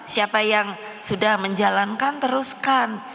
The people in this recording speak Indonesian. siapa yang sudah menjalankan teruskan